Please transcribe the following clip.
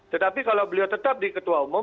tetapi kalau beliau tetap di ketua umum